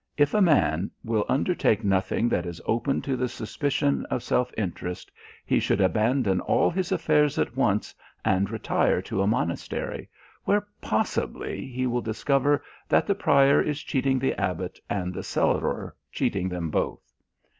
If a man will undertake nothing that is open to the suspicion of self interest, he should abandon all his affairs at once and retire to a monastery, where possibly he will discover that the prior is cheating the abbot and the cellarer cheating them both.